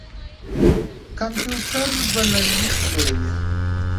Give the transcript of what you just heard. کمپيوټر بلنليک جوړوي.